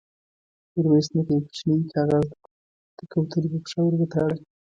ميرويس نيکه يو کوچينۍ کاغذ د کوترې پر پښه ور وتاړه.